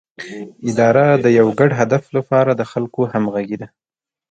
اداره د یو ګډ هدف لپاره د خلکو همغږي ده